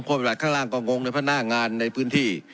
พวกประบาทข้างล่างก็งงแล้วพนักงานในพื้นที่